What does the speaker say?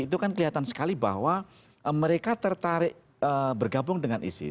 itu kan kelihatan sekali bahwa mereka tertarik bergabung dengan isis